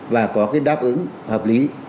và có cái đáp ứng hợp lý